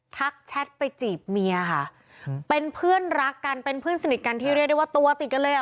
แชทไปจีบเมียค่ะเป็นเพื่อนรักกันเป็นเพื่อนสนิทกันที่เรียกได้ว่าตัวติดกันเลยอ่ะ